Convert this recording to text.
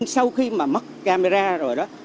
sau khi mà mất camera rồi đó